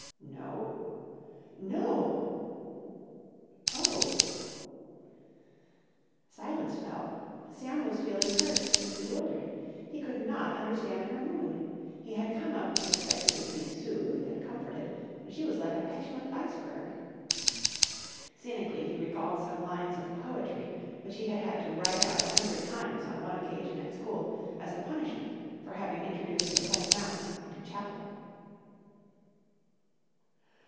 "No?" "No!" "Oh!" Silence fell. Sam was feeling hurt and bewildered. He could not understand her mood. He had come up expecting to be soothed and comforted and she was like a petulant iceberg. Cynically, he recalled some lines of poetry which he had had to write out a hundred times on one occasion at school as a punishment for having introduced a white mouse into chapel.